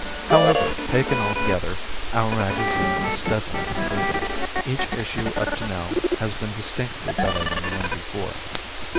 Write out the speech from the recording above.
However, taken all together, our magazine is steadily improving; each issue up to now has been distinctly better than the one before.